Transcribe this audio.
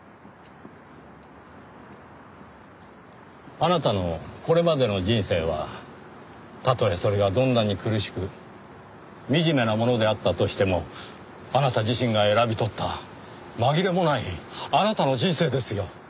あなたのこれまでの人生はたとえそれがどんなに苦しく惨めなものであったとしてもあなた自身が選び取った紛れもないあなたの人生ですよ。